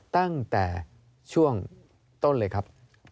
ตั้งแต่ช่วงต้นเลยครับ